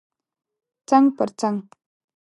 څنګ پر څنګ